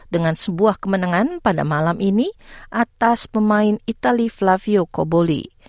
dengan sebuah kemenangan pada malam ini atas pemain itali flavio koboli